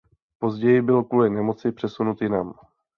Později byl kvůli nemoci přesunut jinam.